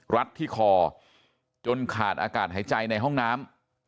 รัดที่คอจนขาดอากาศหายใจในห้องน้ำ